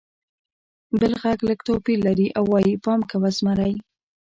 بل غږ لږ توپیر لري او وایي: «پام کوه! زمری!»